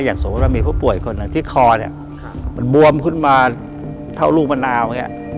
อย่างสมมติว่ามีผู้ป่วยคนที่คอเนี่ยมันบวมขึ้นมาเท่าลูกมะนาว